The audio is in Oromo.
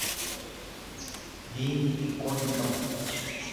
Diinni xiqqoo hin qabu.